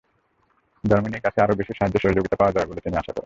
জার্মানির কাছে আরও বেশি সাহায্য-সহযোগিতা পাওয়া যাবে বলে তিনি আশা প্রকাশ করেন।